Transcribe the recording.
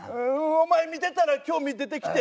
お前見てたら興味出てきて。